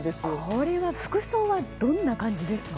これは服装はどんな感じですか？